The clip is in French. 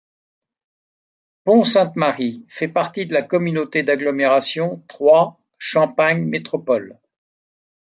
Pont-Sainte-Marie fait partie de la Communauté d'Agglomération Troyes Champagne Métropole.